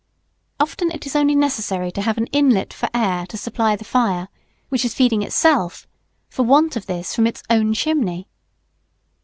Often it is only necessary to have an inlet for air to supply the fire, which is feeding itself, for want of this, from its own chimney.